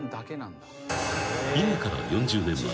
［今から４０年前］